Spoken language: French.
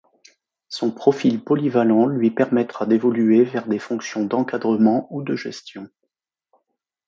Son profil polyvalent lui permettra d’évoluer vers des fonctions d’encadrement ou de gestion.